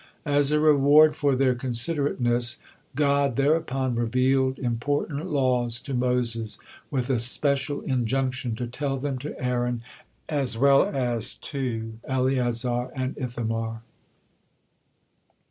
As a reward for their considerateness, God thereupon revealed important laws to Moses with a special injunction to tell them to Aaron as well as to Eleazar and Ithamar.